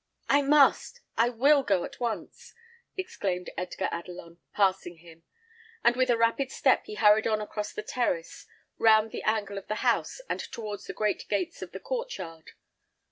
"I must; I will go at once!" exclaimed Edgar Adelon, passing him; and with a rapid step he hurried on across the terrace, round the angle of the house, and towards the great gates of the court yard.